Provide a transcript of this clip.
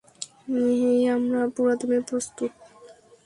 হেই, আমরা পুরোদমে প্রস্তুত।